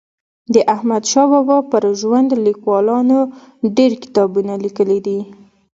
د احمدشاه بابا پر ژوند لیکوالانو ډېر کتابونه لیکلي دي.